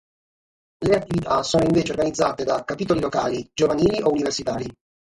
Le attività sono invece organizzate da capitoli locali, giovanili o universitari.